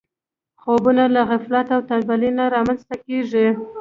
خوبونه له غفلت او تنبلي نه رامنځته کېږي.